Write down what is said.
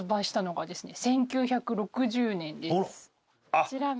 こちらが。